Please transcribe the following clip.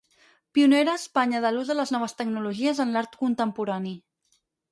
Pionera a Espanya de l'ús de les noves tecnologies en l'art contemporani.